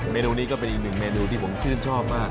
เมนูนี้ก็เป็นอีกหนึ่งเมนูที่ผมชื่นชอบมาก